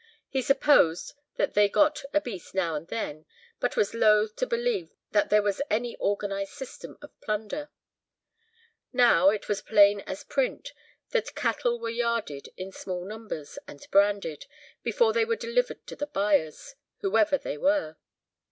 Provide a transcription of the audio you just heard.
He supposed that they got a beast now and then, but was loath to believe that there was any organised system of plunder. Now, it was as plain as print that cattle were yarded in small numbers and branded, before they were delivered to the buyers, whoever they were.